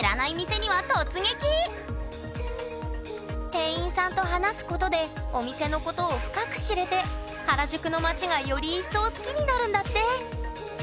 店員さんと話すことでお店のことを深く知れて原宿の街がより一層好きになるんだって！